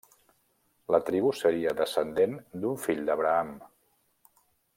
La tribu seria descendent d'un fill d'Abraham.